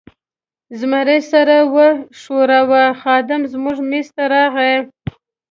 زمري سر و ښوراوه، خادم زموږ مېز ته راغلی.